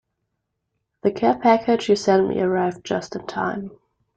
The care package you sent me arrived just in time.